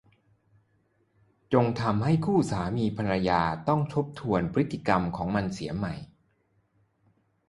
จนทำให้คู่สามีภรรยาต้องทบทวนพฤติกรรมของมันเสียใหม่